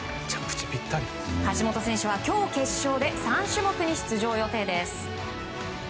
橋本選手は今日決勝で３種目に出場予定です。